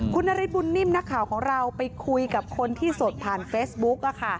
คุณนฤทธบุญนิ่มนักข่าวของเราไปคุยกับคนที่สดผ่านเฟซบุ๊ก